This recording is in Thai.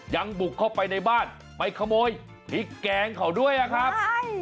บุกเข้าไปในบ้านไปขโมยพริกแกงเขาด้วยอะครับใช่